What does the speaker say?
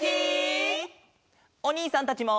おにいさんたちも！